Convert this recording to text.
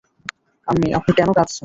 আম্মি আপনি কেন কাঁদছেন?